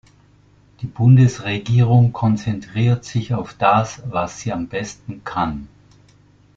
Die Bundesregierung konzentriert sich auf das, was sie am besten kann.